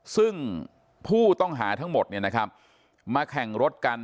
ซึ่งผู้ต้องหาทั้งหมดเนี่ยนะครับมาแข่งรถกัน